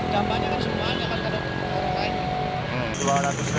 ya semuanya juga